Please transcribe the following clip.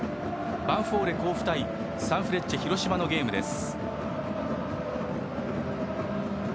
ヴァンフォーレ甲府対サンフレッチェ広島のゲームです。